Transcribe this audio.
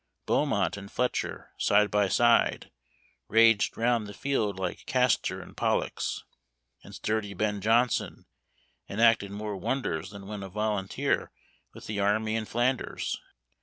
Beaumont and Fletcher, side by side, raged round the field like Castor and Pollux, and sturdy Ben Jonson enacted more wonders than when a volunteer with the army in Flanders.